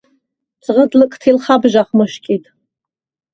ძღჷდ ლჷკთილ ხაბჟახ მჷშკიდ.